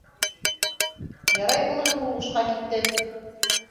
Ярай, уныһы һуғышҡа китте.